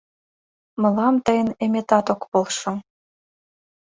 — Мылам тыйын эметат ок полшо...